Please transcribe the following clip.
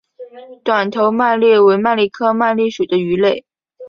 短头鳗鲡为鳗鲡科鳗鲡属的鱼类。